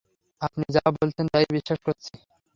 আপনি যা বলছেন তা-ই বিশ্বাস করছি।